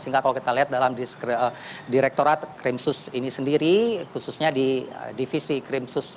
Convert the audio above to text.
sehingga kalau kita lihat dalam direktorat krimsus ini sendiri khususnya di divisi krimsus